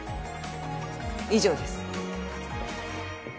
以上です。